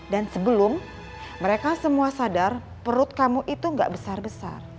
dan sebelum mereka semua sadar perut kamu itu gak besar besar